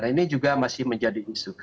nah ini juga masih menjadi isu